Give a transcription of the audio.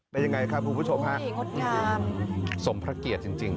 เป็นอย่างไรครับผู้ผู้ชมฮะสมพระเกียรติจริง